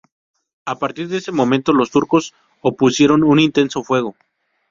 A partir de ese momento, los turcos opusieron un intenso fuego.